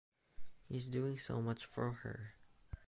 He's doing so much for her.